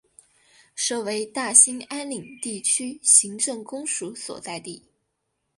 设为大兴安岭地区行政公署所在地。